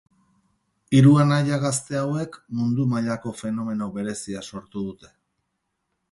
Hiru anaia gazte hauek mundu mailako fenomeno berezia sortu dute.